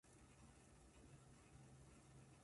物事にはいい面と悪い面がある